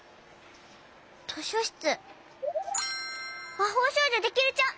「魔法少女デキルちゃん」